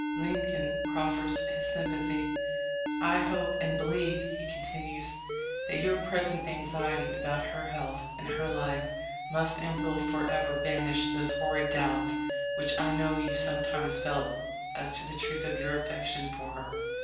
Lincoln prof fers his sympathy. "I hope and believe," he con tinues, "that your present anxiety about her health and her life must and will forever banish those horrid doubts which I know you sometimes felt as to the truth of your affection for her.